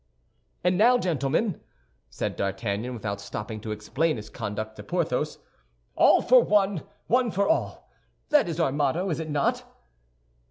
"And now, gentlemen," said D'Artagnan, without stopping to explain his conduct to Porthos, "All for one, one for all—that is our motto, is it not?"